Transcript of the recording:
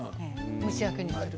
蒸し焼きにする。